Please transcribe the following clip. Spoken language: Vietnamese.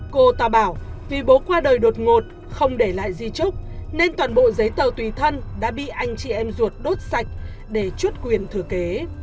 cô tà bảo vì bố qua đời đột ngột không để lại di trúc nên toàn bộ giấy tờ tùy thân đã bị anh chị em ruột đốt sạch để chuốt quyền thừa kế